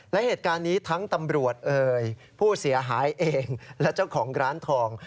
และเหตุการณ์นี้ทั้งตำรวจเอ่ยผู้เสียหายเองและเจ้าของร้านทอง